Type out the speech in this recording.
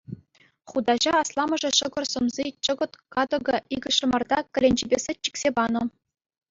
Хутаҫа асламӑшӗ ҫӑкӑр сӑмси, чӑкӑт катӑке, икӗ ҫӑмарта, кӗленчепе сӗт чиксе панӑ.